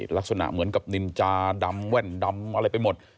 ลักษณะเหมือนกับนินจาดำแว่นดำอะไรไปหมด